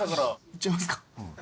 いっちゃいますか。